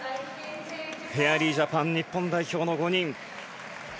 フェアリージャパン日本代表の５人。